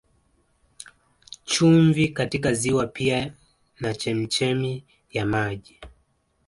Chumvi katika ziwa pia na chemchemi ya maji